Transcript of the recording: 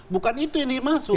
bukan itu yang dimaksud